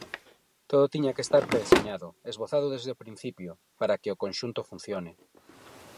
Todo tiña que estar predeseñado, esbozado desde o principio, para que o conxunto funcione.